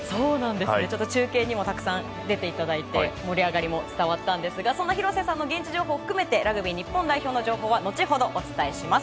中継にもたくさん出ていただいて盛り上がりも伝わったんですが廣瀬さんの現地情報も含めてラグビー日本代表の情報は、後ほどお伝えします。